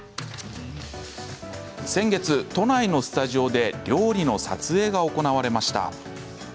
先月、都内のスタジオで料理の撮影が行われました。